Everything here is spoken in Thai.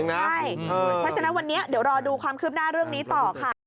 เพราะฉะนั้นวันนี้เดี๋ยวรอดูความคืบหน้าเรื่องนี้ต่อค่ะ